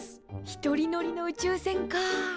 １人乗りの宇宙船か。